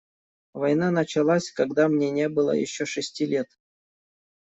Война началась, когда мне не было еще шести лет.